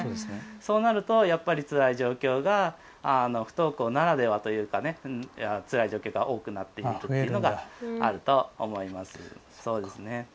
そうなると、やっぱりつらい状況が不登校ならではというかつらい状況が多くなってくるというのがあると思います。